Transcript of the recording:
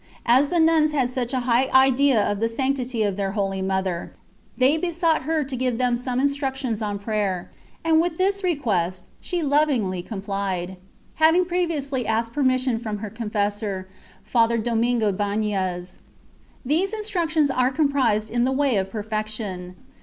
As the nuns had such a high idea of the sanctity of their Holy Mother, they besought her to give them some instructions on prayer ; and with this request she lovingly complied, having previously asked permission from her confessor, F. Domingo Banez. These instructions are comprised in the "Way of Perfection."